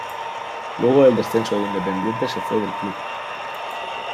Luego del descenso de Independiente se fue del club.